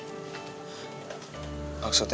gue ngelakuin kesalahan bersama lo boy